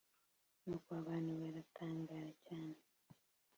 Nuko abantu baratangara cyane